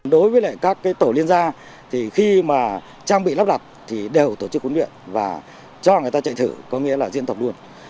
đối với các tổ liên gia khi trang bị lắp đặt thì đều tổ chức huấn luyện và cho người ta chạy thử có nghĩa là diện tập luôn